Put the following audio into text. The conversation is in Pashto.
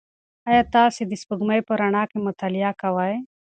ایا تاسي د سپوږمۍ په رڼا کې مطالعه کوئ؟